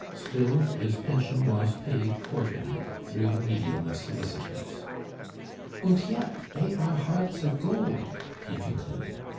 still, his pension was paid quarterly through the medium of solicitors. "Und yet, dey are hearts of gold," he concluded.